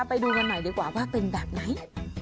ไปดูกันหน่อยดีกว่าว่าเป็นแบบไหน